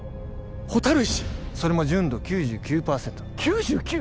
蛍石それも純度９９％９９！？